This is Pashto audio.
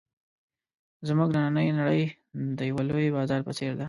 زموږ نننۍ نړۍ د یوه لوی بازار په څېر ده.